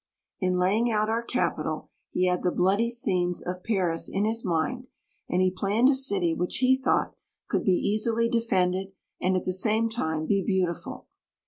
In laying out our capital he had the bloody scenes of Paris in his mind, and he planned a city which he thought could be easily defended and at the same time be beautiful.